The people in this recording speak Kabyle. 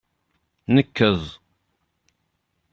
Nkeẓ.